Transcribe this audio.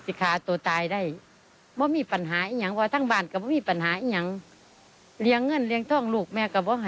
อีกนิดนึงก็ถึงว่าคืนความยุติธรรมวลขอวล